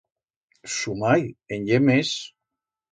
Su mai en ye mes.